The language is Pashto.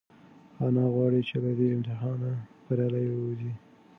انا غواړي چې له دې امتحانه بریالۍ ووځي.